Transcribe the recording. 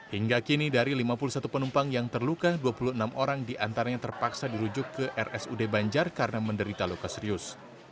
hingga kini dari lima puluh satu penumpang yang terluka dua puluh enam orang diantaranya terpaksa dirujuk ke rsud banjar karena menderita luka serius